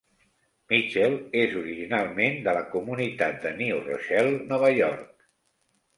Mitchell és originalment de la comunitat de New Rochelle, Nova York.